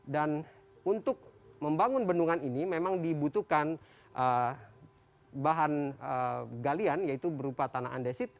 dan untuk membangun bendungan ini memang dibutuhkan bahan galian yaitu berupa tanah andesit